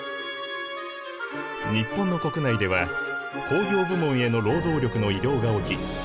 日本の国内では工業部門への労働力の移動が起き